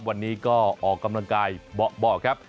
วันนี้ก็ออกกำลังกายเบาะครับ